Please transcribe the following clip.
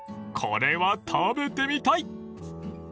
［これは食べてみたい］